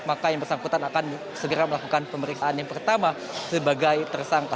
maka yang bersangkutan akan segera melakukan pemeriksaan yang pertama sebagai tersangka